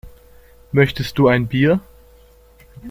Möchtest du ein Bier?